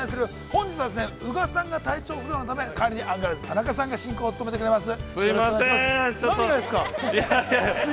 本日は、宇賀さんが体調不良のため、代わりにアンガールズ田中さんが進行を務めてくれます。